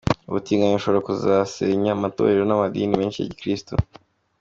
Ubutinganyi bushobora kuzasenya amatorero n’amadini menshi ya gikirisitu.